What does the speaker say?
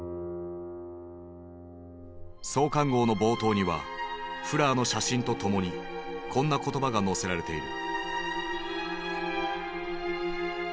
創刊号の冒頭にはフラーの写真とともにこんな言葉が載せられている。